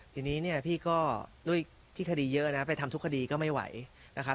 ทีนี้เนี่ยพี่ก็ด้วยที่คดีเยอะนะไปทำทุกคดีก็ไม่ไหวนะครับ